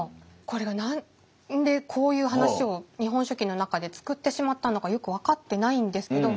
これが何でこういう話を「日本書紀」の中で作ってしまったのかよく分かってないんですけど。